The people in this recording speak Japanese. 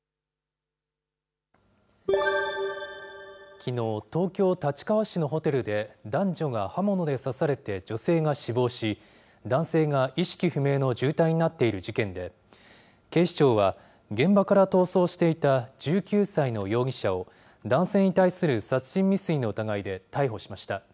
きのう、東京・立川市のホテルで、男女が刃物で刺されて、女性が死亡し、男性が意識不明の重体になっている事件で、警視庁は現場から逃走していた１９歳の容疑者を、男性に対する殺人未遂の疑いで逮捕しました。